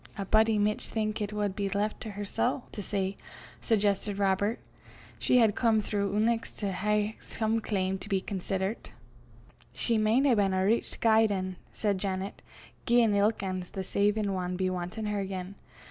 "A body micht think it wad be left to hersel' to say," suggested Robert. "She had come throu' eneuch to hae some claim to be considert." "She maun hae been a richt guid ane," said Janet, "gien ilk ane o' the saiven wad be wantin' her again.